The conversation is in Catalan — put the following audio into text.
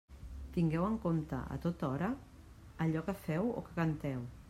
Tingueu en compte a tota hora allò que feu o que canteu.